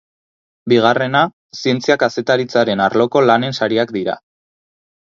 Bigarrena, zientzia-kazetaritzaren arloko lanen sariak dira.